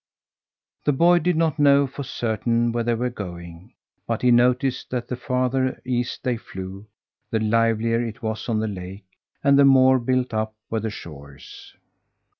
The boy did not know for certain where they were going; but he noticed that the farther east they flew, the livelier it was on the lake and the more built up were the shores.